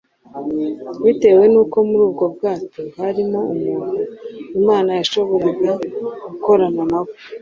Bitewe n’uko muri ubwo bwato harimo umuntu Imana yashoboraga gukorana na we